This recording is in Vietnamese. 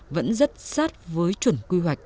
vẫn rất sát với chuẩn quy hoạch